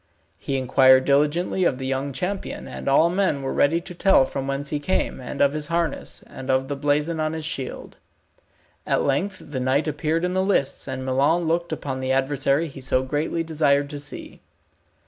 He inquired diligently of the young champion, and all men were ready to tell from whence he came, and of his harness, and of the blazon on his shield. At length the knight appeared in the lists and Milon looked upon the adversary he so greatly desired to see.